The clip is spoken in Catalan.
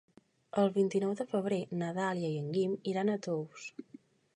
El vint-i-nou de febrer na Dàlia i en Guim iran a Tous.